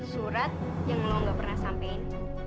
surat yang lo gak pernah sampein